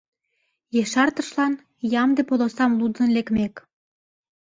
Ешартышлан, ямде полосам лудын лекмек.